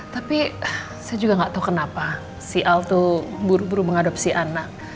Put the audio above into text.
tapi saya juga gak tau kenapa si al tuh buru buru mengadopsi anak